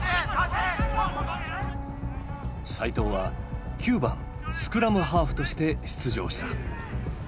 齋藤は９番スクラムハーフとして出場した。